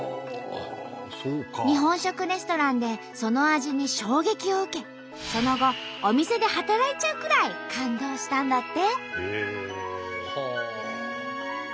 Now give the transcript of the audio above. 日本食レストランでその味に衝撃を受けその後お店で働いちゃうくらい感動したんだって。